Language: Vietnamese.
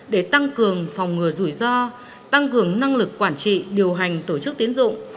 để tăng cường phòng ngừa rủi ro tăng cường năng lực quản trị điều hành tổ chức tiến dụng